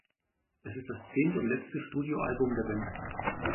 Es ist das zehnte und letzte Studioalbum der Band.